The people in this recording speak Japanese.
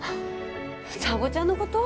双子ちゃんのこと？